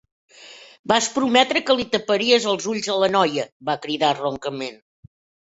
"Vas prometre que li taparies els ulls a la noia!", va cridar roncament.